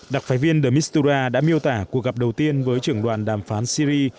đặc phái viên de mistura đã miêu tả cuộc gặp đầu tiên với trưởng đoàn đàm phán syri